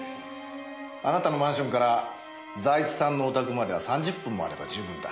あなたのマンションから財津さんのお宅までは３０分もあれば十分だ。